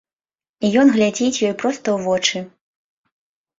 І ён глядзіць ёй проста ў вочы.